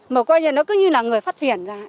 mà coi như nó cứ như là người phát triển ra